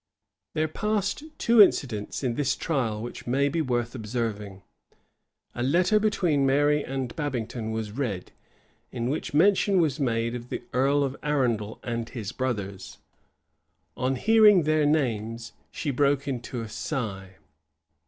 There passed two incidents in this trial which may be worth observing. A letter between Mary and Babington was read, in which mention was made of the earl of Arundel and his brothers: on hearing their names, she broke into a sigh.